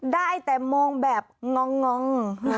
ได้แต่มองแบบงอง